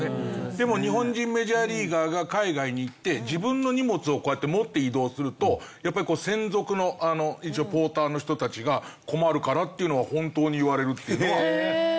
でも日本人メジャーリーガーが海外に行って自分の荷物をこうやって持って移動するとやっぱり専属のポーターの人たちが困るからっていうのは本当に言われるっていうのは聞きました。